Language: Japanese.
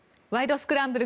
スクランブル」